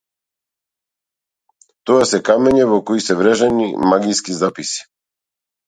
Тоа се камења во кои се врежани магиски записи.